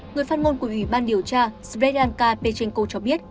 người phát ngôn của ủy ban điều tra svetlanka pechenko cho biết